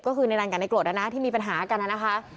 ก็คือในนั้นกับนายโกรธที่มีปัญหากันนะคะ